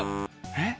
えっ？